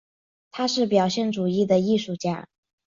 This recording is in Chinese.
他是表现主义的艺术家。